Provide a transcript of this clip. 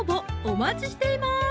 お待ちしています